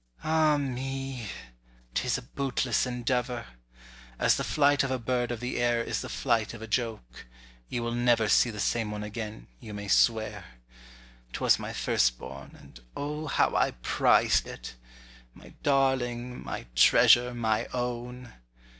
Ah me! 'tis a bootless endeavour. As the flight of a bird of the air Is the flight of a joke—you will never See the same one again, you may swear. 'Twas my firstborn, and O how I prized it! My darling, my treasure, my own!